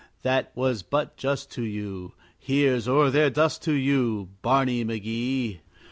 That was but just to you. Here's o'er their dust to you, Barney McGee!